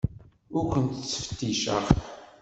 Ur kent-ttfetticeɣ.